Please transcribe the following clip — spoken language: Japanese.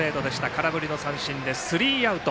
空振り三振で、スリーアウト。